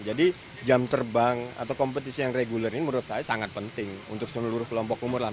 jadi jam terbang atau kompetisi yang reguler ini menurut saya sangat penting untuk seluruh kelompok umur lah